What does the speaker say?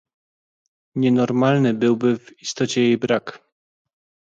Nienormalny byłby w istocie jej brak